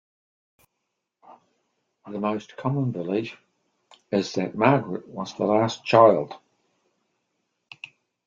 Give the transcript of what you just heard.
The most common belief is that Margaret was the last child.